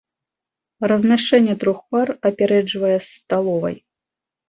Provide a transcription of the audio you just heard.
Размяшчэнне трох пар апярэджвае з сталовай.